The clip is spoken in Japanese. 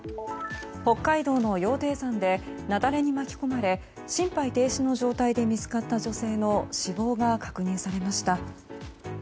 北海道の羊蹄山で雪崩に巻き込まれ心肺停止の状態で見つかった女性の死亡が確認されました。